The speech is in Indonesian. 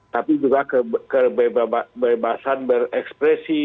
tapi juga kebebasan berekspresi